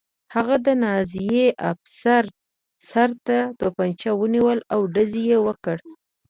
هغه د نازي افسر سر ته توپانچه ونیوله او ډز یې وکړ